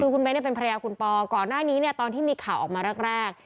คือคุณเบ้นเป็นภรรยาคุณปอก่อนหน้านี้เนี่ยตอนที่มีข่าวออกมาแรก